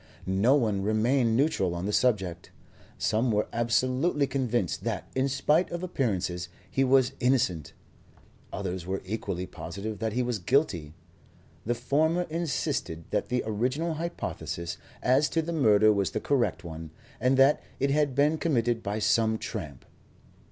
No one remained neutral on the subject. Some were absolutely convinced that, in spite of appearances, he was innocent. Others were equally positive that he was guilty. The former insisted that the original hypothesis as to the murder was the correct one, and that it had been committed by some tramp.